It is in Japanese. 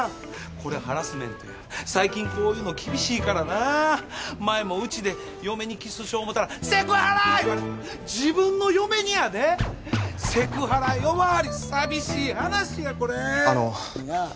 これハラスメントや最近こういうの厳しいからな前もうちで嫁にキスしよう思たら「セクハラ！」言われて自分の嫁にやで？セクハラ呼ばわり寂しい話やこれあの何や？